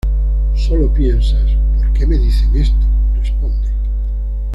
solo piensas “¿por qué me dicen esto?”, responde